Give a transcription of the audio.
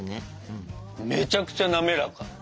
めちゃくちゃ滑らか！